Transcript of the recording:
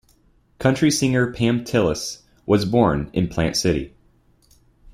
Country singer Pam Tillis was born in Plant City.